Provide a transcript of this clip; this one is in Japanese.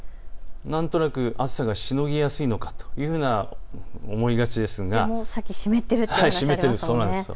なんとなく暑さがしのぎやすいのかと思いがちですが湿っているんです。